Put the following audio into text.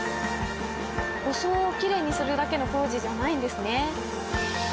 装をきれいにするだけの工事じゃないんですね。